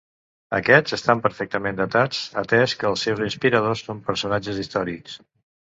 Aquests estan perfectament datats, atès que els seus inspiradors són personatges històrics.